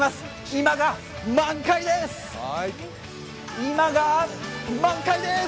今が満開です。